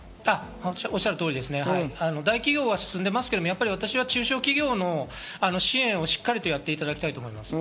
大企業は進んでますけど、中小企業の支援をしっかりとやっていただきたいと思います。